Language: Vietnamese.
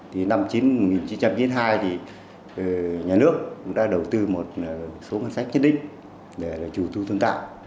thì năm một nghìn chín trăm chín mươi hai thì nhà nước cũng đã đầu tư một số ngân sách nhất đích để là chủ thu tương tạo